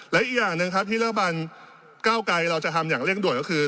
และอีกอย่างหนึ่งครับที่รัฐบาลก้าวไกรเราจะทำอย่างเร่งด่วนก็คือ